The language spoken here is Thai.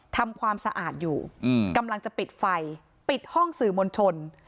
ทำความสะอาดอยู่กำลังจะปิดไฟปิดห้องสื่อมวลชน